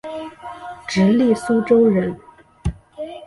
直隶苏州人。